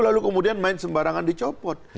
lalu kemudian main sembarangan dicopot